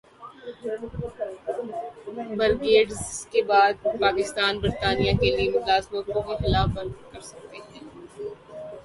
Brexit کے بعد پاکستان برطانیہ کیلئے ملازمتوں کا خلا پر کرسکتا ہے